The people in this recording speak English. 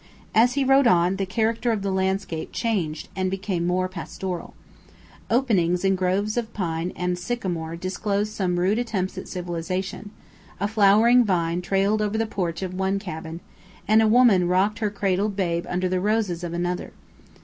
As he rode on, the character of the landscape changed and became more pastoral. Openings in groves of pine and sycamore disclosed some rude attempts at cultivation a flowering vine trailed over the porch of one cabin, and a woman rocked her cradled babe under the roses of another.